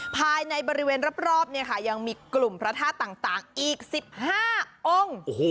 ภายในบริเวณรอบยังมีกลุ่มพระธาตุต่างอีก๑๕องค์